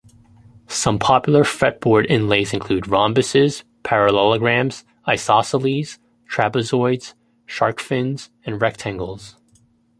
Some popular fretboard inlays include rhombuses, parallelograms, isosceles trapezoids, shark fins and rectangles.